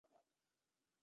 সেলিনা, নিজের যত্ন নিও।